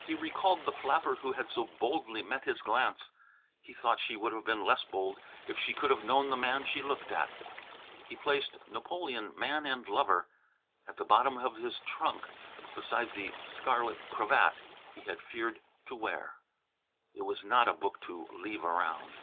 He recalled the flapper who had so boldly met his glance. He thought she would have been less bold if she could have known the man she looked at. He placed "Napoleon, Man and Lover" at the bottom of his trunk beside the scarlet cravat he had feared to wear. It was not a book to "leave around."